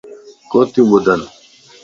ڪوتي ٻڌين؟